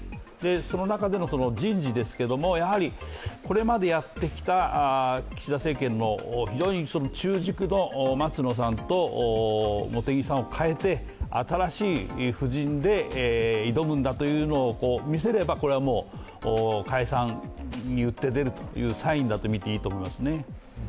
その中での人事ですけども、これまでやってきた岸田政権の非常に中軸の松野さんと茂木さんを代えて、新しい布陣で挑むんだというのを見せれば、これは解散に打って出るというサインだと見ていいと思いますね。